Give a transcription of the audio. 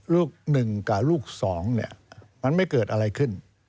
ลูก๑กับลูก๒เนี่ยมันไม่เกิดอะไรขึ้น